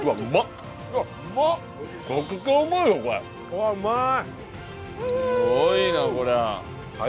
うわっうまい！